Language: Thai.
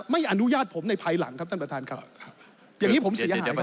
ไม่อนุญาตผมในภายหลังครับท่านประธานครับ